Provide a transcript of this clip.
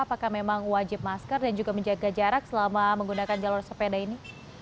apakah memang wajib masker dan juga menjaga jarak selama menggunakan jalur sepeda ini